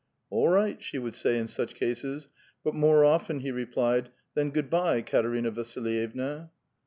" All right," she would say in such cases ; but more often he replied, *' Then good by,' Katerina Vasilyevna."